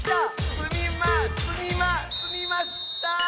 つみまつみまつみました！